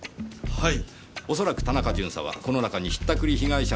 はい？